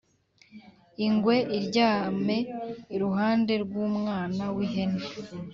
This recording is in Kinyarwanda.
ingwe iryame iruhande rw’umwana w’ihene.